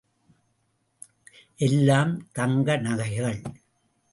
எல்லாம் தங்க நகைகள்!